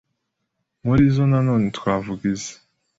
Muri zo nanone twavuga izi